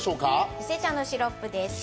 伊勢茶のシロップです。